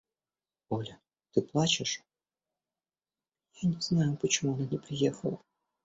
Оля, ты плачешь? – Я не знаю, почему она не приехала.